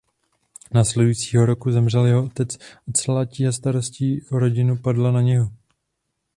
Následující roku zemřel jeho otec a celá tíha starostí o rodinu padla na něho.